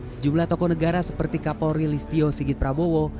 sejumlah tokoh negara seperti kapolri listio sigit prabowo